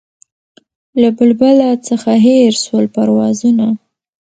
له بلبله څخه هېر سول پروازونه